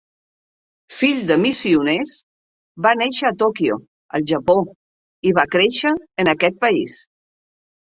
Fill de missioners, va néixer a Tòquio, al Japó, i va créixer en aquest país.